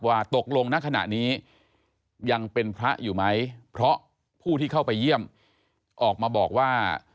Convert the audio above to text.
ว่าตกลงณขณะนี้ยังเป็นพระอยู่ไหมเพราะผู้ที่เข้าไปเยี่ยมออกมาบอกว่า